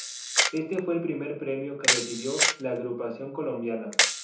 Este fue el primer premio que recibió la agrupación colombiana.